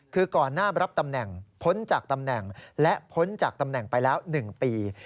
คือก่อนหน้ารับตำแหน่งพ้นจากตำแหน่งและพ้นจากตำแหน่งไปแล้ว๑ปี